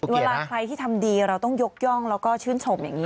เวลาใครที่ทำดีเราต้องยกย่องแล้วก็ชื่นชมอย่างนี้